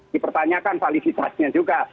dipertanyakan validitasnya juga